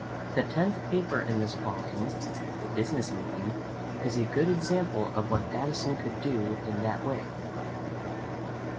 The tenth paper in this volume, "A Business Meeting," is a good example of what Addison could do in that way.